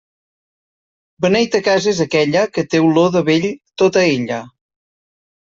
Beneita casa és aquella, que té olor de vell tota ella.